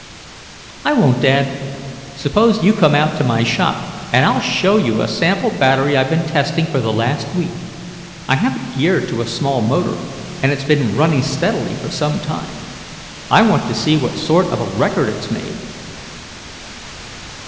"I won't, Dad. Suppose you come out to my shop and I'll show you a sample battery I've been testing for the last week. I have it geared to a small motor, and it's been running steadily for some time. I want to see what sort of a record it's made."